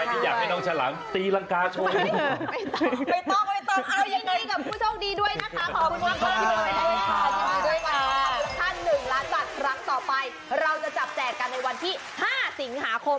เราจะจับแจกันในวันที่๕สิงหาคม